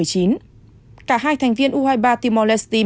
cả hai thành viên u hai mươi ba timor leste